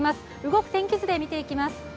動く天気図で見ていきます。